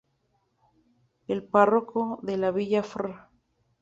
El párroco de la Villa, Fr.